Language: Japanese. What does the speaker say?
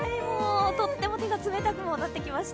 とっても手が冷たくもなってきました。